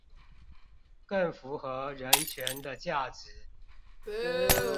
更符合人權的價值